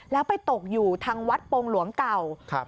แล้วไปตกอยู่ทางวัดโปรงหลวงเก่าครับ